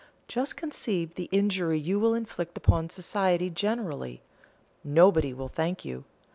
Just conceive the injury you will inflict upon society generally nobody will thank you.